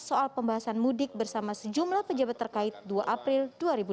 soal pembahasan mudik bersama sejumlah pejabat terkait dua april dua ribu dua puluh